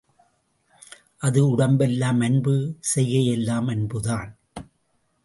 அது உடம்பெல்லாம், அன்பு செய்கையெல்லாம் அன்புதான்!